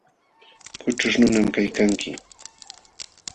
Kućhuśh nunam kaykanki.